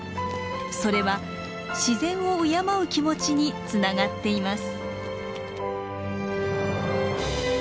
それは自然を敬う気持ちにつながっています。